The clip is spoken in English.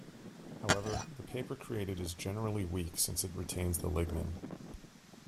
However, the paper created is generally weak since it retains the lignin.